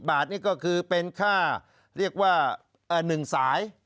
บาทนี่ก็คือเป็นค่าเรียกว่า๑สาย